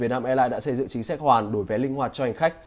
việt nam airline đã xây dựng chính sách hoàn đổi vé linh hoạt cho hành khách